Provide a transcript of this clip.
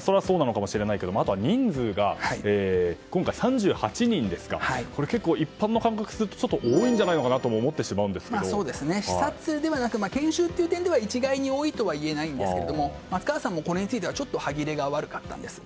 それはそうなのかもしれないけどあとは人数が今回３８人ですかこれは結構一般の感覚からすると多いんじゃないかと視察ではなく研修という点では一概に多いとは言えないんですが松川さんも、これについてはちょっと歯切れが悪かったんです。